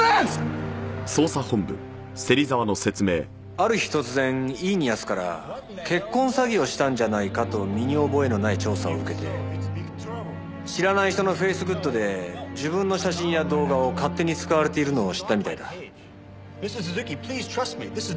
ある日突然イーニアスから結婚詐欺をしたんじゃないかと身に覚えのない調査を受けて知らない人のフェイスグッドで自分の写真や動画を勝手に使われているのを知ったみたいだ。